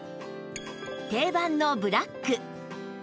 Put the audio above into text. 定番のブラック